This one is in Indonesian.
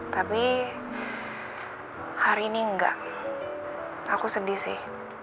tapi hari ini enggak aku sedih sih